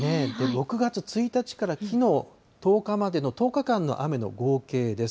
６月１日からきのう１０日までの１０日間の雨の合計です。